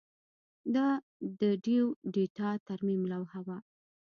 دا د ډیو د ډیټا ترمیم لوحه وه